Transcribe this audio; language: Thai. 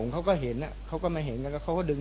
เขาคิดเขาไม่เห็น